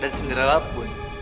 dan sendirian pun